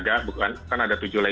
iya terraered revendor dan segala macam